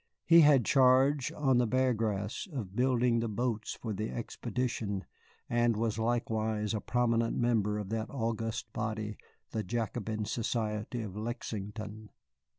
He had charge on the Bear Grass of building the boats for the expedition, and was likewise a prominent member of that august body, the Jacobin Society of Lexington.